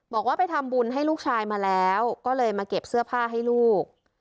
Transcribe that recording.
บอกว่าไปทำบุญให้ลูกชายมาแล้วก็เลยมาเก็บเสื้อผ้าให้ลูก